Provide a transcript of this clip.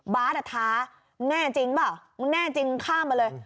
อ่ะท้าแน่จริงเปล่ามึงแน่จริงข้ามมาเลย